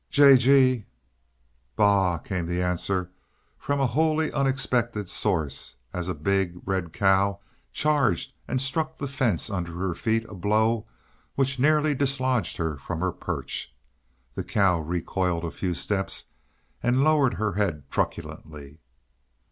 "J. G e e e!" "Baw h h h!" came answer from a wholly unexpected source as a big, red cow charged and struck the fence under her feet a blow which nearly dislodged her from her perch. The cow recoiled a few steps and lowered her head truculently.